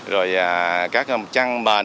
rồi các trang bền